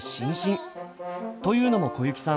というのも小雪さん